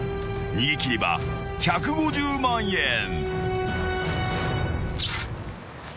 ［逃げ切れば１５０万円］